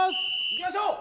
いきましょう